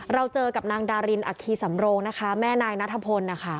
เราเจอกับนางดารินอัคคีสำโรงนะคะแม่นายนัทพลนะคะ